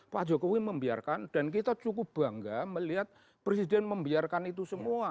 pak jokowi membiarkan dan kita cukup bangga melihat presiden membiarkan itu semua